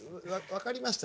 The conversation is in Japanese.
分かりました。